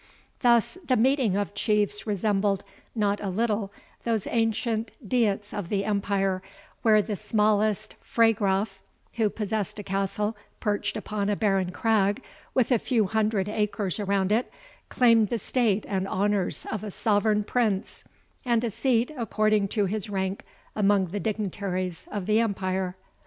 Thus the meeting of Chiefs resembled not a little those ancient Diets of the Empire, where the smallest FREY GRAF, who possessed a castle perched upon a barren crag, with a few hundred acres around it, claimed the state and honours of a sovereign prince, and a seat according to his rank among the dignitaries of the Empire.